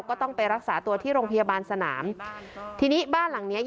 ก็ต้องไปรักษาตัวที่โรงพยาบาลสนามทีนี้บ้านหลังเนี้ย